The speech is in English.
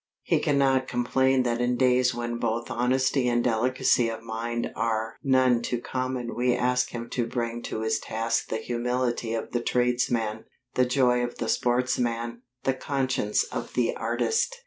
He cannot complain that in days when both honesty and delicacy of mind are none too common we ask him to bring to his task the humility of the tradesman, the joy of the sportsman, the conscience of the artist.